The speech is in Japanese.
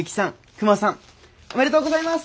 クマさんおめでとうございます！